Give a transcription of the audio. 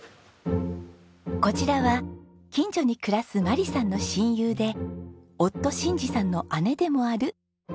こちらは近所に暮らす眞理さんの親友で夫信治さんの姉でもある香奈見さんです。